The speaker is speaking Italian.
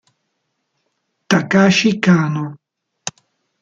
Takashi Kano